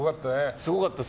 すごかったです。